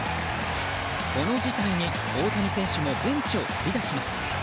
この事態に大谷選手もベンチを飛び出します。